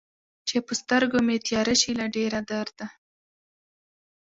چې په سترګو مې تياره شي له ډېر درده